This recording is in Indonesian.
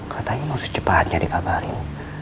katanya mau secepatnya dikabarin